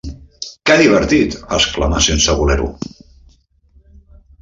"Què divertit!", exclamà sense voler-ho.